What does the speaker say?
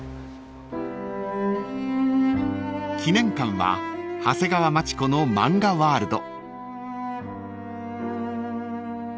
［記念館は長谷川町子の漫画ワールド］